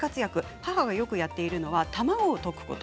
母がよくやっているのは卵を溶くこと。